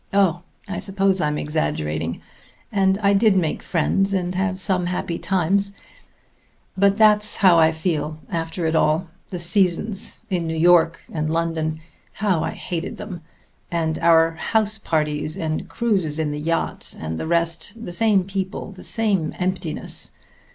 Oh! I suppose I'm exaggerating, and I did make friends and have some happy times; but that's how I feel after it all. The seasons in New York and London! How I hated them! And our house parties and cruises in the yacht and the rest the same people, the same emptiness!